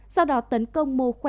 sau đó tấn công mô khí